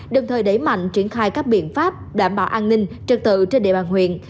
đồng thời đẩy mạnh triển khai các biện pháp đảm bảo an ninh trật tự trên địa bàn huyện